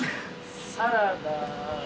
サラダ。